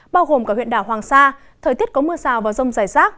bao gồm cả huyện đảo hoàng sa thời tiết có mưa rào và rông rải rác